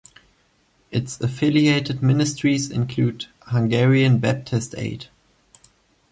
Its affiliated ministries include "Hungarian Baptist Aid".